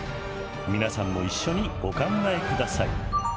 みなさんも一緒にお考えください。